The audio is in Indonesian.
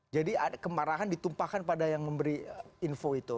jadi kemarahan ditumpahkan pada yang memberi info itu